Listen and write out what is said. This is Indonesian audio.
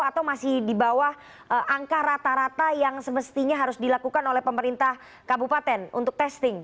atau masih di bawah angka rata rata yang semestinya harus dilakukan oleh pemerintah kabupaten untuk testing